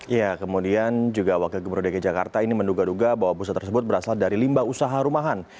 ya kemudian juga wakil gubernur dki jakarta ini menduga duga bahwa busa tersebut berasal dari limba usaha rumahan